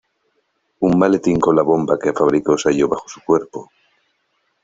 Un maletín con la bomba que fabricó se halló bajo su cuerpo.